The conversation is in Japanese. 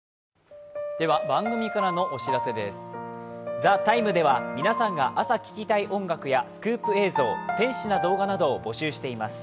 「ＴＨＥＴＩＭＥ，」では皆さんが朝聞きたい音楽やスクープ映像、天使な動画などを募集しています。